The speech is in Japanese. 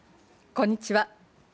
こんにちは。